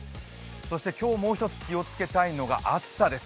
今日もう一つ気をつけたいのが暑さです。